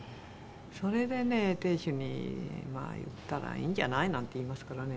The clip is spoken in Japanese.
それでね亭主に言ったらいいんじゃない？なんて言いますからね。